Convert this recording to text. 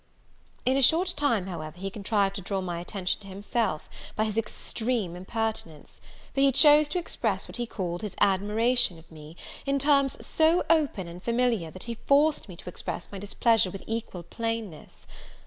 In a short time, however, he contrived to draw my attention to himself, by his extreme impertinence; for he chose to express what he called his admiration of me, in terms so open and familiar, that he forced me to express my displeasure with equal plainness.